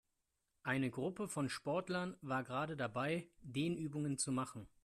Eine Gruppe von Sportlern war gerade dabei, Dehnübungen zu machen.